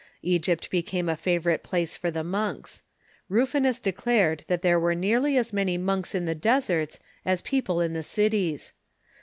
Egypt became a favorite place for the monks. Rufinus declared that there were nearly as many monks in the deserts as people in the cities.